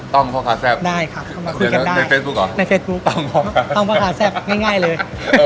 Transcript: ต้องพ่อขาแซ่บในเฟสบุ๊คหรอต้องพ่อขาแซ่บแ้งเลย